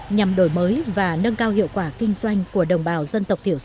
nhằm đổi mới và nâng cao hiệu quả kinh doanh của đồng bào dân tộc thiểu số